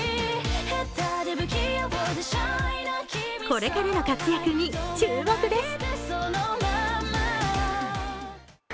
これからの活躍に注目です。